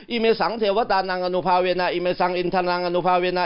อิเมสังเทวตานังอนุภาเวณาอิเมซังอินทนังอนุภาเวณา